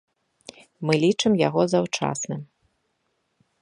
Мы лічым яго заўчасным.